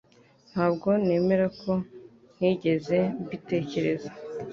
Ntabwo nemera ko ntigeze mbitekereza.